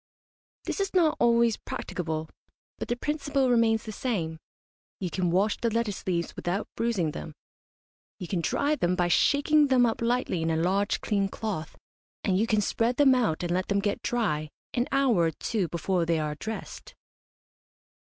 This is not always practicable, but the principle remains the same. You can wash the lettuce leaves without bruising them. You can dry them by shaking them up lightly in a large clean cloth, and you can spread them out and let them get dry an hour or two before they are dressed.